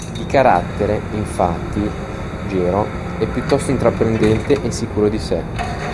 Di carattere, infatti, Jero è piuttosto intraprendente e sicuro di sé.